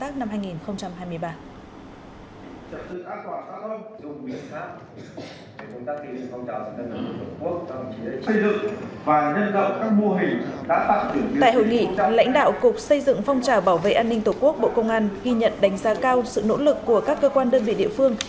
các bộ công an ghi nhận đánh giá cao sự nỗ lực của các cơ quan đơn vị địa phương